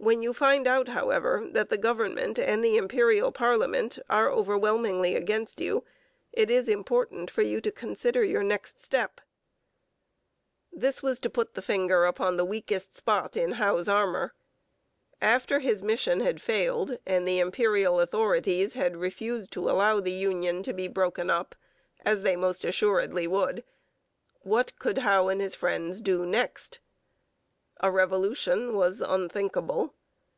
When you find out, however, that the Government and the Imperial Parliament are overwhelmingly against you, it is important for you to consider the next step.' This was to put the finger upon the weakest spot in Howe's armour. After his mission had failed and the Imperial authorities had refused to allow the union to be broken up, as they most assuredly would, what could Howe and his friends do next? A revolution was unthinkable.